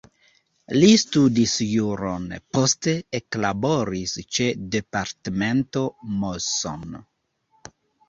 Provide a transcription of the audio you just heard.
Li studis juron, poste eklaboris ĉe departemento Moson.